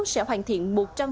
sẽ hoàn thiện một trăm linh